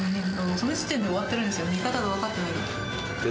その時点で終わってるでしょう、見方が分かってない。